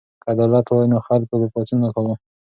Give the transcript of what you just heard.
که عدالت وای نو خلکو به پاڅون نه کاوه.